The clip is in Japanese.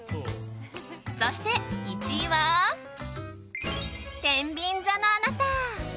そして１位はてんびん座のあなた。